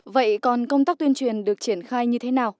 vậy còn công tác tuyên truyền được triển khai như thế nào